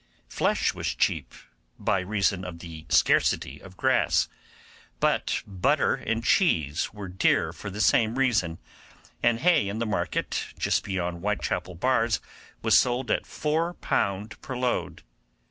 Flesh was cheap, by reason of the scarcity of grass; but butter and cheese were dear for the same reason, and hay in the market just beyond Whitechappel Bars was sold at 4 pound per load.